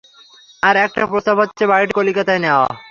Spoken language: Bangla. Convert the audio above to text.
আর একটা প্রস্তাব হচ্ছে, বাড়ীটি কলিকাতায় নেওয়া।